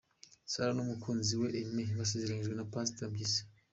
Sarah n'umukunzi we Aime basezeranyijwe na Pastor Mpyisi.